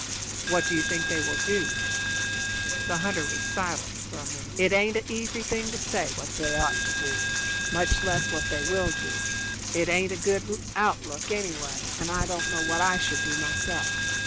"What do you think they will do?" Mrs. Welch asked. The hunter was silent for a minute. "It aint a easy thing to say what they ought to do, much less what they will do; it aint a good outlook anyway, and I don't know what I should do myself.